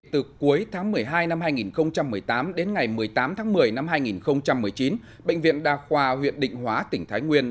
từ cuối tháng một mươi hai năm hai nghìn một mươi tám đến ngày một mươi tám tháng một mươi năm hai nghìn một mươi chín bệnh viện đa khoa huyện định hóa tỉnh thái nguyên